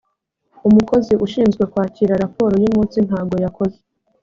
umukozi ushinzwe kwakira raporo yu munsi ntago yakoze